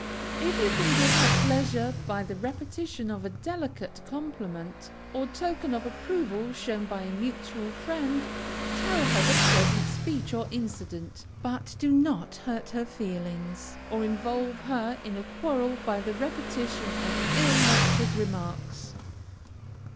If you can give her pleasure by the repetition of a delicate compliment, or token of approval shown by a mutual friend, tell her the pleasant speech or incident, but do not hurt her feelings, or involve her in a quarrel by the repetition of ill natured remarks.